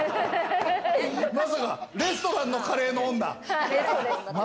まさか、レストランのカレーの女。